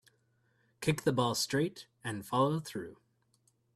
Kick the ball straight and follow through.